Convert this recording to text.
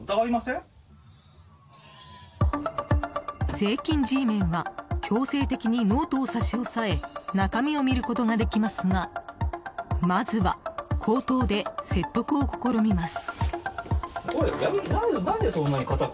税金Ｇメンは強制的にノートを差し押さえ中身を見ることができますがまずは口頭で説得を試みます。